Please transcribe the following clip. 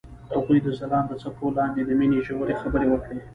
هغوی د ځلانده څپو لاندې د مینې ژورې خبرې وکړې.